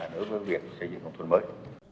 đối với việc xây dựng nông thôn mới